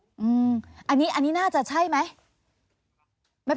อืมอันนี้อันนี้น่าจะใช่ไหม